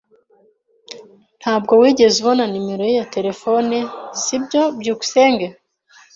Ntabwo wigeze ubona numero ye ya terefone, sibyo? byukusenge